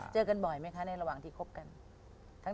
เจอกันบ่อยไหมคะในระหว่างที่คบกัน